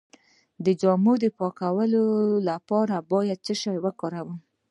د جامو د پاکوالي لپاره باید څه شی وکاروم؟